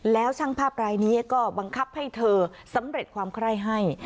แล้วช่างภาพรายนี้ก็บังคับให้เธอสำเร็จความไคร้ให้